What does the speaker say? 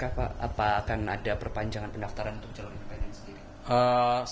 apa akan ada perpanjangan pendaftaran untuk calon independen sendiri